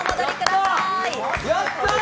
やったー！